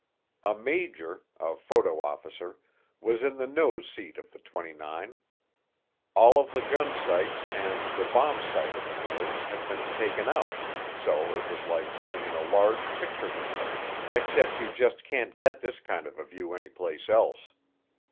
A major, a photo officer, was in the nose seat of the '29. All of the gun sights and the bombsight in the nose had been taken out, so it was like sitting in a large picture window except you just can't get this kind of a view anyplace else.